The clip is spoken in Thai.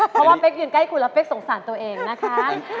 เพราะว่าเป๊กยืนใกล้คุณแล้วเป๊กสงสารตัวเองนะคะ